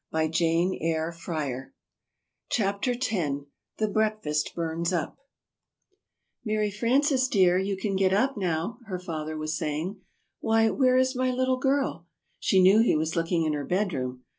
"] CHAPTER X THE BREAKFAST BURNS UP "MARY FRANCES, dear, you can get up now," her father was saying. "Why, where is my little girl?" She knew he was looking in her bedroom.